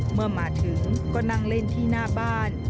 เมื่อมาถึงก็นั่งเล่นที่หน้าบ้าน